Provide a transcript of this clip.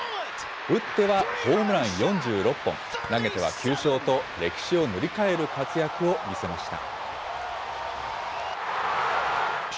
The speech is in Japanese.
打ってはホームラン４６本、投げては９勝と、歴史を塗り替える活躍を見せました。